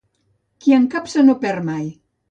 Qui escapça no perd mai.